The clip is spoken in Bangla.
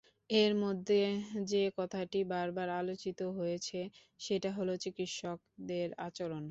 এর মধ্যে যে কথাটি বারবার আলোচিত হয়েছে, সেটা হলো চিকিৎসকদের আচরণ।